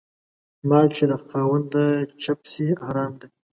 مال چې له خاونده چپ سي حرام دى.